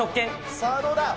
さあどうだ。